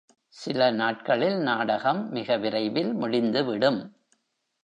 சில நாட்களில் நாடகம் மிக விரைவில் முடிந்துவிடும்.